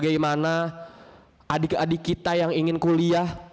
bagaimana adik adik kita yang ingin kuliah bagaimana adik adik kita yang ingin kuliah